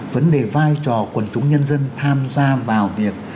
vấn đề vai trò quần chúng nhân dân tham gia vào việc